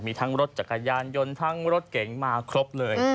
มีทั้งรถจักรยานยนต์ทั้งรถเก๋งมาครบเลย